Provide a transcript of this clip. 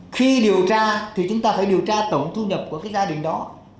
khi điều tra thì chúng ta phải điều tra tổng thu nhập của cái gia đình đó